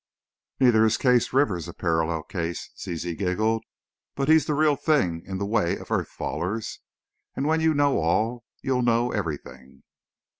"Neither is Case Rivers a parallel case," Zizi giggled, "but he's the real thing in the way of Earth Fallers. And when you know all, you'll know everything!"